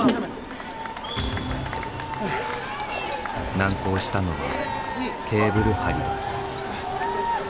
難航したのはケーブル張りだった。